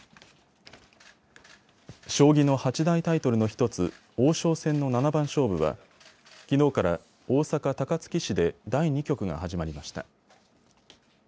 将棋の八大タイトルの１つ、王将戦の七番勝負はきのうから大阪高槻市で第２局が始まりました。